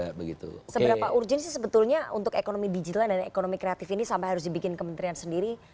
seberapa urgent sih sebetulnya untuk ekonomi digital dan ekonomi kreatif ini sampai harus dibikin kementerian sendiri